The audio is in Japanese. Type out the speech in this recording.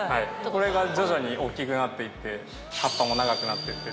これが徐々に大きくなって行って葉っぱも長くなって行って。